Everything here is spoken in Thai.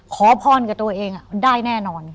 ขอพรกับตัวเองได้แน่นอน